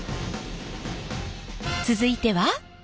続いては。